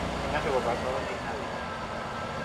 Eguneko bost zerbitzu izaten dira norabide bakoitzeko.